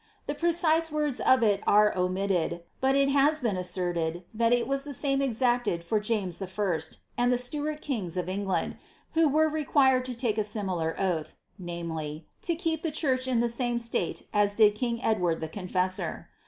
The pr*> CIM words of it are omitted, but it has been asserlecl that it waa thf •ante exarted from James L and the Stuarl kings of England, who wert required to lake a similar oath — viz., to keep the church in the same Mkie as did king Edward the Confessor.'